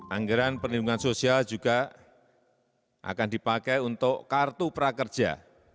anggaran perlindungan sosial juga akan dipakai untuk kartu prakerja